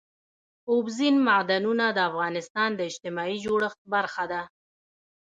اوبزین معدنونه د افغانستان د اجتماعي جوړښت برخه ده.